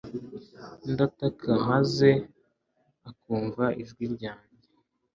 ndaataka, maze akumva ijwi ryanjye